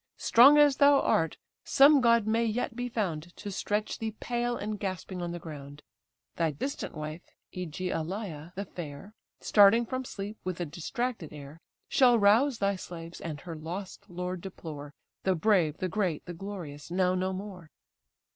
Strong as thou art, some god may yet be found, To stretch thee pale and gasping on the ground; Thy distant wife, Ægialé the fair, Starting from sleep with a distracted air, Shall rouse thy slaves, and her lost lord deplore, The brave, the great, the glorious now no more!"